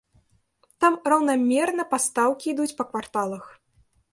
Там раўнамерна пастаўкі ідуць па кварталах.